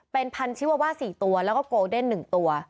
เป็นพันธิวาว่า๔ตัวแล้วก็โกเดน๑ตัว